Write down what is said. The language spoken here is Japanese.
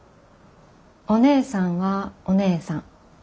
お姉さんはお姉さん。